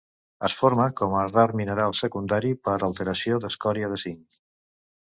Es forma com a rar mineral secundari per alteració d'escòria de zinc.